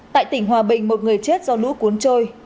tại tỉnh hòa bình một người chết do lũ cuốn trôi